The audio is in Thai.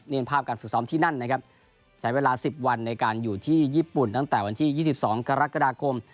นี่ภาพการฝึกซ้อมที่นั่นนะครับใช้เวลา๑๐วันในการอยู่ที่ญี่ปุ่นตั้งแต่วันที่๒๒กรกฎาคม